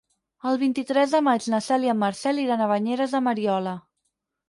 El vint-i-tres de maig na Cel i en Marcel iran a Banyeres de Mariola.